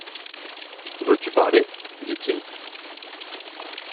Veux-tu parler ? dit-il.